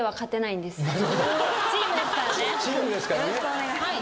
よろしくお願いします。